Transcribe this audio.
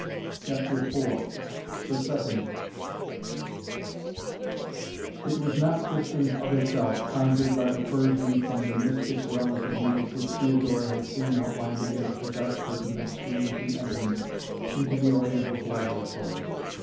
CHAPTER IV PERSEPHONÉ It was not Tristan's other self, conjured by the Persian from the mystic realms of night which Theodora had seen outlined against the dark curtain that screened the entrance into the Oriental's laboratory.